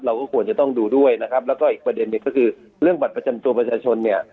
เราก็ควรจะต้องดูด้วยนะครับแล้วก็อีกประเด็นหนึ่งก็คือเรื่องบัตรประจำตัวประชาชนเนี่ย